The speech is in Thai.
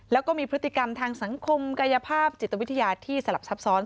แล้วก็มีพฤติกรรมทางสังคมกายภาพจิตวิทยาที่สลับซับซ้อน